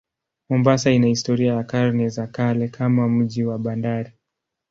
Mombasa ina historia ya karne za kale kama mji wa bandari.